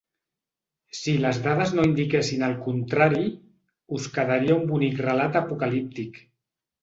Si les dades no indiquessin el contrari, us quedaria un bonic relat apocalíptic.